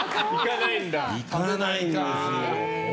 行かないんですよ。